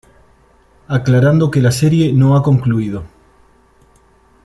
Aclarando que la serie no ha concluido.